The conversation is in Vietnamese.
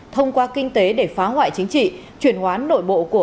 thông qua kinh tế để phá hoại chính trị